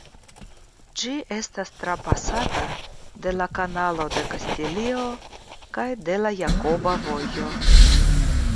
Ĝi estas trapasata de la Kanalo de Kastilio kaj de la Jakoba Vojo.